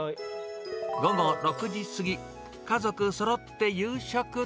午後６時過ぎ、家族そろって夕食。